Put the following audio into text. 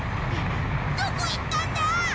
どこ行ったんだ！？